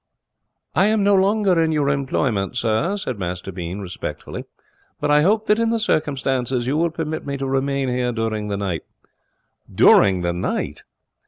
'I am no longer in your employment, sir,' said Master Bean, respectfully, 'but I hope that in the circumstances you will permit me to remain here during the night.' 'During the night!'